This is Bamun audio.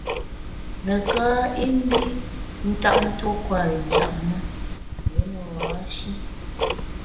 Neká i mbi ntap tuo kwer i njap me, rié ne ba-shi.